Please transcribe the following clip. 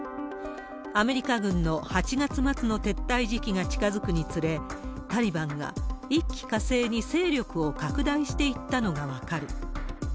アメリカ軍の８月末の撤退時期が近づくにつれ、タリバンが一気かせいに勢力を拡大していったのが分かる。